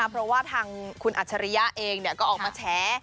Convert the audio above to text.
เพราะว่าทางคุณอัชริยะเองเนี่ยก็ออกมาแช้